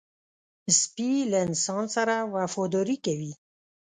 سپي له انسان سره وفاداري کوي.